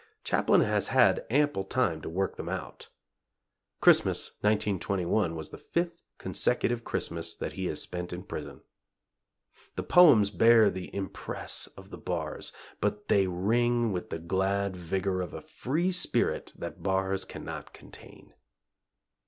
Chaplin has had ample time to work them out. Christmas, 1921, was the fifth consecutive Christmas that he has spent in prison. The poems bear the impress of the bars, but they ring with the glad vigor of a free spirit that bars cannot contain.